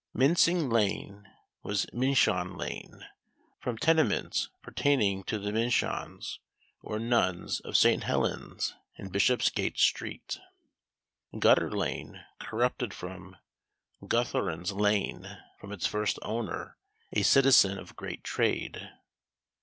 Mincing lane was Mincheon lane; from tenements pertaining to the Mincheons, or nuns of St. Helen's, in Bishopsgate street. Gutter lane, corrupted from Guthurun's lane; from its first owner, a citizen of great trade.